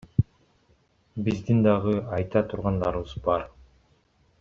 Биздин дагы айта тургандарыбыз бар.